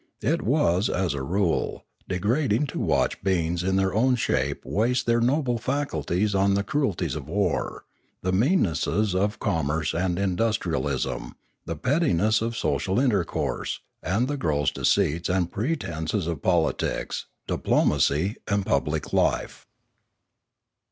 It was, as a rule, de grading to watch beings in their own shape waste their noble faculties on the cruelties of war, the meannesses of commerce and industrialism, the pettinesses of social intercourse, and the gross deceits and pretences of politics, diplomacy, and public life.